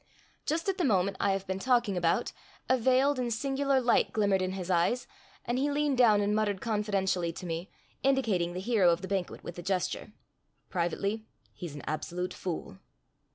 Just at the moment I have been talking about, a veiled and singular light glimmered in his eyes, and he leaned down and muttered confidentially to me—indicating the hero of the banquet with a gesture: "Privately—he's an absolute fool."